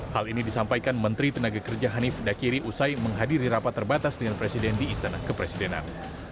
hal ini disampaikan menteri tenaga kerja hanif dakiri usai menghadiri rapat terbatas dengan presiden di istana kepresidenan